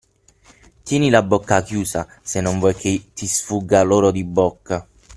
Tieni la bocca chiusa, se non vuoi che ti sfugga l'oro di bocca.